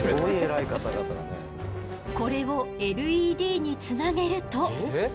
これをＬＥＤにつなげると。